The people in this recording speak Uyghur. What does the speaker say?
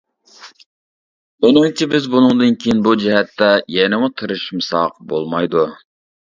مېنىڭچە بىز بۇنىڭدىن كېيىن بۇ جەھەتتە يەنىمۇ تىرىشمىساق بولمايدۇ.